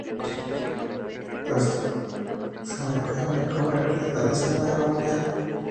Las Triumph se fabricaron en Coventry hasta la Segunda Guerra Mundial.